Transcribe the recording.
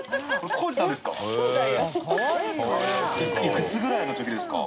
いくつぐらいのときですか？